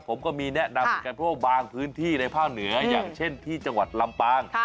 ผมก็มีแนะนำเหมือนกันเพราะว่าบางพื้นที่ในภาคเหนืออย่างเช่นที่จังหวัดลำปาง